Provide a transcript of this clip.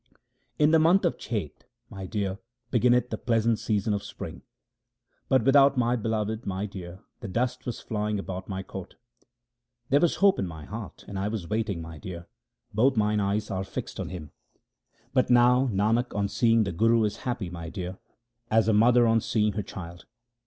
In the month of Chet, my dear, beginneth the pleasant season of spring ; But without my Beloved, my dear, the dust was flying about my court. 2 There was hope in my heart and I was waiting, my dear ; both mine eyes were fixed on Him. But now Nanak on seeing the Guru is happy, my dear, as a mother on seeing her child.